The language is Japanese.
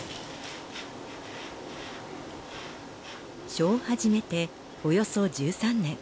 書を始めておよそ１３年